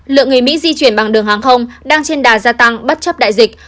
lượng người mỹ di chuyển bằng đường hàng không đang trên đà gia tăng bất chấp đại dịch